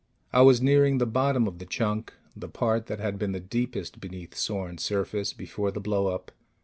I was nearing the "bottom" of the chunk, the part that had been the deepest beneath Sorn's surface before the blow up.